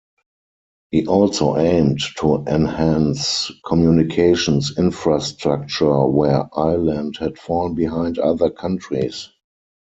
He also aimed to enhance communications infrastructure where Ireland had fallen behind other countries.